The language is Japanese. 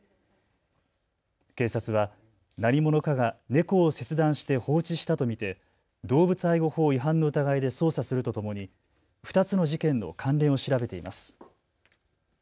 警察は何者かが猫を切断して放置したと見て動物愛護法違反の疑いで捜査するとともに２つの事件の関連を調べています。